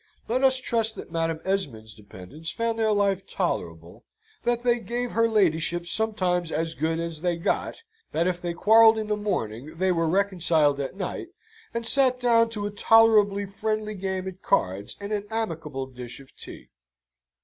Let us trust that Madam Esmond's dependants found their life tolerable, that they gave her ladyship sometimes as good as they got, that if they quarrelled in the morning they were reconciled at night, and sate down to a tolerably friendly game at cards and an amicable dish of tea.